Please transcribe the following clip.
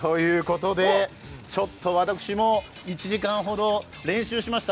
ちょっと私も１時間ほど練習しました。